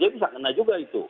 dia bisa kena juga itu